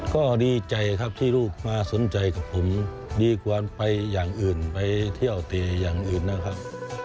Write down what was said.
ก็ดีใจครับที่ลูกมาสนใจกับผมดีกว่าไปอย่างอื่นไปเที่ยวตีอย่างอื่นนะครับ